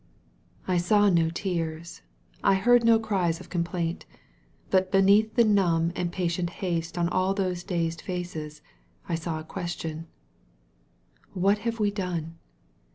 I saw no tears, I heard no cries of complaint. But beneath the numb and patient haste on all those dazed faces I saw a question, *What have we done?